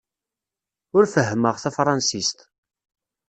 Ur fehhmeɣ tafṛensist.